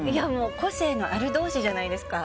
個性のある同士じゃないですか。